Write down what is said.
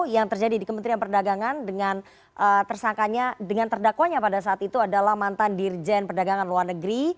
yang terjadi di kementerian perdagangan dengan tersangkanya dengan terdakwanya pada saat itu adalah mantan dirjen perdagangan luar negeri